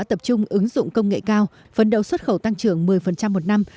tập trung ứng dụng công nghệ cao phấn đấu xuất khẩu tăng trưởng một mươi một năm